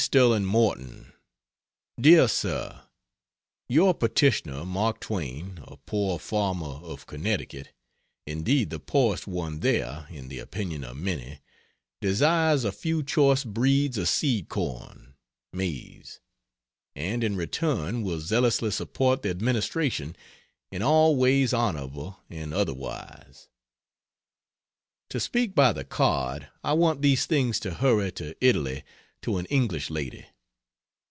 STERLING MORTON, Dear Sir: Your petitioner, Mark Twain, a poor farmer of Connecticut indeed, the poorest one there, in the opinion of many desires a few choice breeds of seed corn (maize), and in return will zealously support the Administration in all ways honorable and otherwise. To speak by the card, I want these things to hurry to Italy to an English lady.